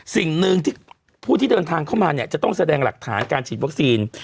สิ่งหนึ่งที่ผู้ที่เดินทางเข้ามาเนี่ยจะต้องแสดงหลักฐานการฉีดวัคซีน